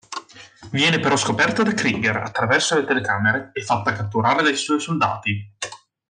Viene però scoperta da Krieger attraverso le telecamere e fatta catturare dai suoi soldati.